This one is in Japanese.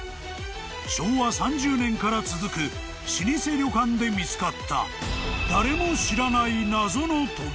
［昭和３０年から続く老舗旅館で見つかった］